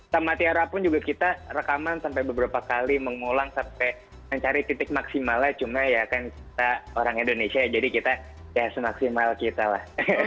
sama tiara pun juga kita rekaman sampai beberapa kali mengulang sampai mencari titik maksimalnya cuma ya kan kita orang indonesia ya jadi kita ya semaksimal kita lah